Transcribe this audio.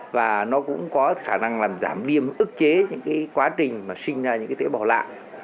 và nó cũng có khả năng làm giảm viêm ức chế những cái quá trình mà sinh ra những cái tế bào lạ